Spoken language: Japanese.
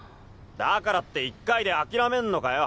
だからって１回であきらめんのかよ。